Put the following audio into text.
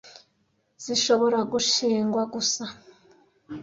zishobora gushingwa gusa